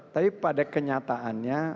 tapi pada kenyataannya